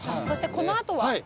そしてこのあとは？